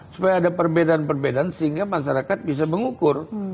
supaya ada perbedaan perbedaan sehingga masyarakat bisa mengukur